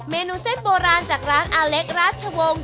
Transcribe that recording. เมนูเส้นโบราณจากร้านอาเล็กราชวงศ์